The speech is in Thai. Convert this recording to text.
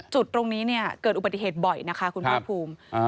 จุดตรงนี้เกิดอุปัติเหตุบ่อยนะคะคุณพี่บริภูมิ